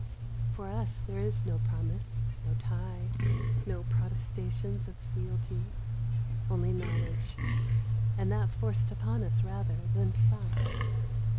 For us there is no promise, no tie, no protestations of fealty; only knowledge, and that forced upon us rather than sought.